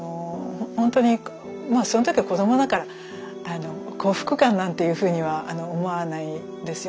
ほんとにまあその時は子供だから幸福感なんていうふうには思わないですよ。